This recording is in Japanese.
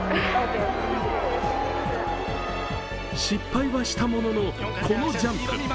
失敗はしたものの、このジャンプ。